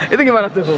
itu gimana tuh